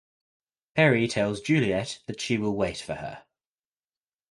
Peri tells Juliet that she will wait for her.